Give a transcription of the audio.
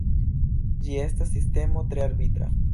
Ĝi estas sistemo tre arbitra.